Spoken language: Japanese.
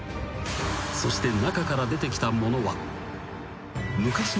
［そして中から出てきたものは］